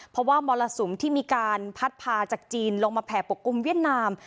เพราะว่ามรสุมที่มีการพัดพาจากจีนลงมาแผ่ปกกลุ่มเวียดนาม